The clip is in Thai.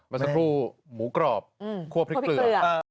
มันเป็นผู้หมูกรอบคั่วพริกเหลือ